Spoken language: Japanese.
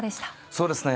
そうですね